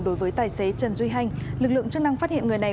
đối với tài xế trần duy hanh lực lượng chức năng phát hiện người này